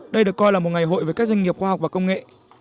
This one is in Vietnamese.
đây được coi là một ngày hội với các doanh nghiệp khoa học và công nghệ